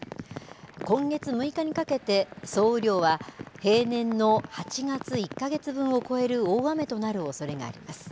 今月６日にかけて総雨量は平年の８月１か月分を超える大雨となるおそれがあります。